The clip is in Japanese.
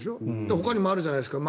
ほかにもあるじゃないですか